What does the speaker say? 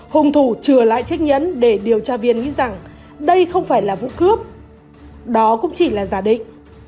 hung thủ trừa lại chiếc nhẫn để điều tra viên nghĩ rằng đây không phải là vụ cướp đó cũng chỉ là giả định